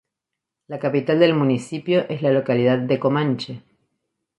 La capital del municipio es la localidad de Comanche.